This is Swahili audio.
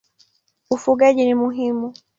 Ufugaji ni muhimu.